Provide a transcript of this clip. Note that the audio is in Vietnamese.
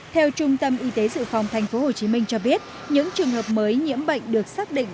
theo trung tâm y tế dự phòng thành phố hồ chí minh cho biết những trường hợp mới nhiễm bệnh được xác định